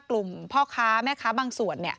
กลุ่มพ่อค้าแม่ค้าบางส่วน